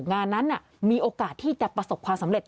งานนั้นมีโอกาสที่จะประสบความสำเร็จ